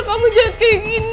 kau ada this